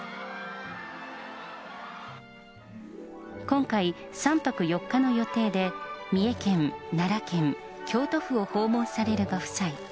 今回、３泊４日の予定で、三重県、奈良県、京都府を訪問されるご夫妻。